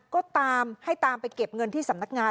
ก็ตามให้ตามไปเก็บเงินที่สำนักงาน